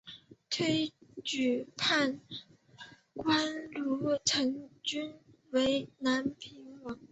推举判官卢成均为南平王。